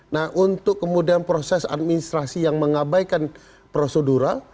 nah untuk kemudian proses administrasi yang mengabaikan prosedural